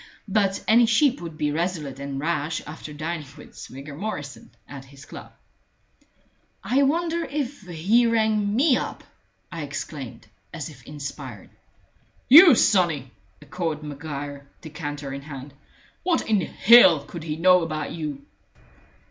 But any sheep would be resolute and rash after dining with Swigger Morrison at his club. "I wonder if he rang me up?" I exclaimed, as if inspired. "You, sonny?" echoed Maguire, decanter in hand. "What in hell could he know about you?"